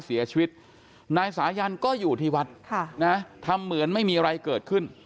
เสียชีวิตนายสายันก็อยู่ที่วัดทำเหมือนไม่มีอะไรเกิดขึ้น